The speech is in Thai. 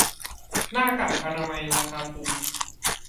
หน้ากากอนามัยราคาถูก